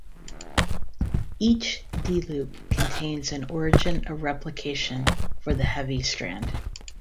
Each D-loop contains an origin of replication for the heavy strand.